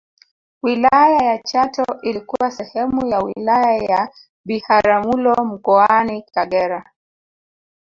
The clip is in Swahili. Wilaya ya Chato ilikuwa sehemu ya wilaya ya Biharamulo mkoani Kagera